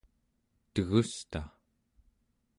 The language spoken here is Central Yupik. tegusta